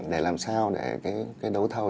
để làm sao để đấu thầu